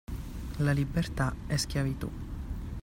La libertà è schiavitù.